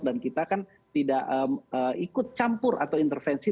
dan kita kan tidak ikut campur atau intervensi